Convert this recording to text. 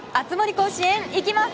甲子園いきます！